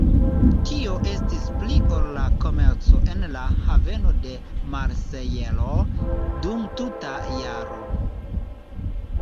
Tio estis pli ol la komerco en la haveno de Marsejlo dum tuta jaro.